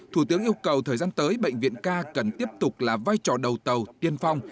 thủ tướng yêu cầu thời gian tới bệnh viện ca cần tiếp tục là vai trò đầu tàu tiên phong